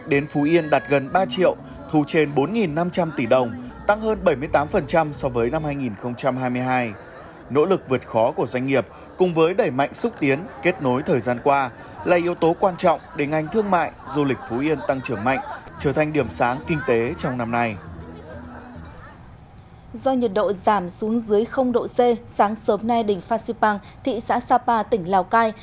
do nhiệt độ giảm xuống dưới độ c sáng sớm nay đỉnh phan xipang thị xã sapa tỉnh lào cai